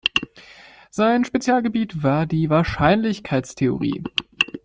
Sein Spezialgebiet war die Wahrscheinlichkeitstheorie.